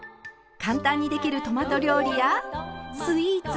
簡単にできるトマト料理やスイーツ。